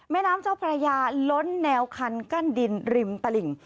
แม่น้ำเจ้าพระยาล้นแนวคันกั้นดินริมตลิ่ง